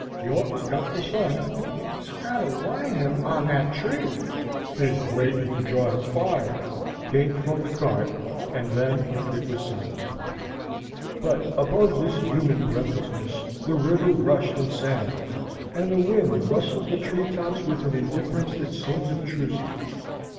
"York's got the sun," "Scott'll line him on that tree," "He's waitin' to draw his fire," came from the cart; and then it was silent. But above this human breathlessness the river rushed and sang, and the wind rustled the tree tops with an indifference that seemed obtrusive.